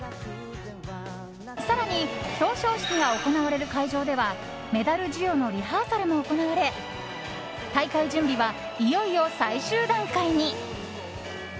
更に、表彰式が行われる会場ではメダル授与のリハーサルも行われ大会準備は、いよいよ最終段階に。